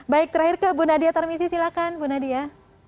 baik terakhir ke bu nadia tarmisi silakan bu nadia